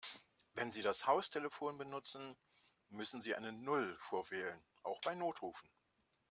Wenn Sie das Haustelefon benutzen, müssen Sie eine Null vorwählen, auch bei Notrufen.